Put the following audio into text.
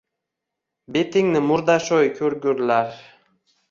— Betingni murdasho‘y ko‘rgurlar!